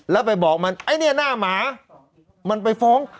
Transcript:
แล้วไปบอกมันไอ้เนี่ยหน้าหมามันไปฟ้อง